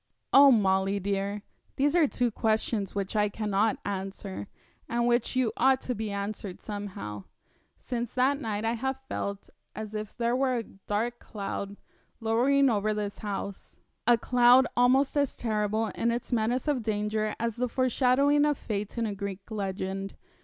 'Oh, Molly dear, these are two questions which I cannot answer, and which yet ought to be answered somehow. Since that night I have felt as if there were a dark cloud lowering over this house a cloud almost as terrible in its menace of danger as the forshadowing of fate in a Greek legend.